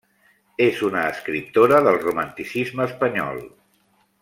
És una escriptora del Romanticisme espanyol.